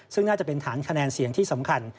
ซึ่งน่าจะเป็นฐานคะแนนเสียงที่สำคัญ